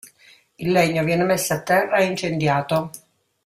Il legno viene messo a terra e incendiato.